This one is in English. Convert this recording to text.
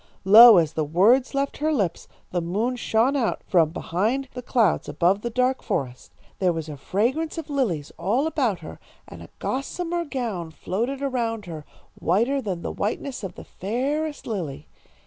"Lo, as the words left her lips, the moon shone out from behind the clouds above the dark forest. There was a fragrance of lilies all about her, and a gossamer gown floated around her, whiter than the whiteness of the fairest lily.